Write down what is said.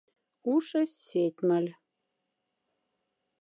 Ушесь сетьмоль.